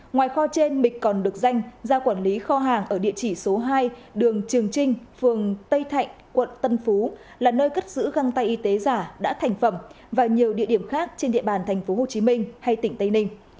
ngoài kho trên bịch còn được danh ra quản lý kho hàng ở địa chỉ số hai đường trường trinh phường tây thạnh quận tân phú là nơi cất giữ găng tay y tế giả đã thành phẩm và nhiều địa điểm khác trên địa bàn tp hcm hay tỉnh tây ninh